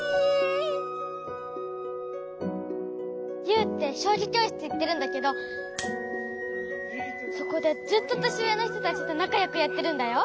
ユウってしょうぎきょうしついってるんだけどそこでずっととしうえのひとたちとなかよくやってるんだよ。